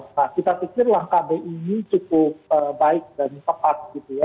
nah kita pikir langkah bi ini cukup baik dan tepat gitu ya